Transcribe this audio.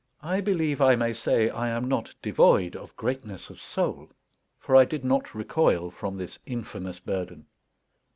I believe I may say I am not devoid of greatness of soul; for I did not recoil from this infamous burden.